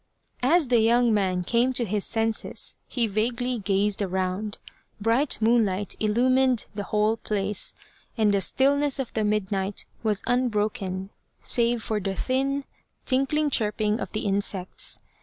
As the young man came to his senses he vaguely gazed around. Bright moonlight illumined the whole place, and the stillness of the midnight was unbroken save for the thin tinkling chirping of the insects.